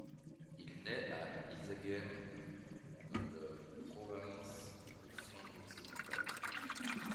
Il nait à Iseghem dans le province de Flandre-Occidentale.